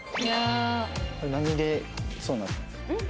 何でそうなったんですか？